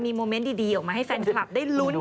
โมเมนต์ดีออกมาให้แฟนคลับได้ลุ้น